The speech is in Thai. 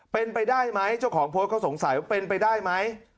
เป็นไปได้ไหมเจ้าของโพสต์เขาสงสัยว่าเป็นไปได้ไหม